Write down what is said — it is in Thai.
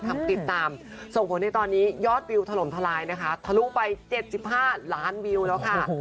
ติดตามส่งผลในตอนนี้ยอดวิวถล่มทลายนะคะทะลุไป๗๕ล้านวิวแล้วค่ะ